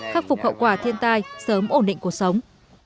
khắc phục hậu quả thiên tai sớm ổn định cuộc sống